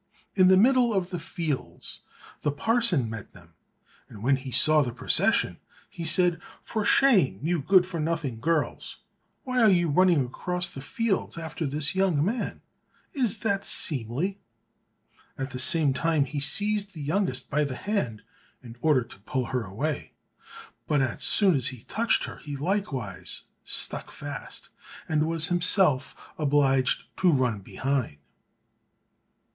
In the middle of the fields the parson met them, and when he saw the procession he said, "For shame, you good for nothing girls, why are you running across the fields after this young man? is that seemly?" At the same time he seized the youngest by the hand in order to pull her away, but as soon as he touched her he likewise stuck fast, and was himself obliged to run behind.